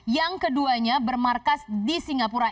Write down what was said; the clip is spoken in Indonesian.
yang keduanya bermarkas di singapura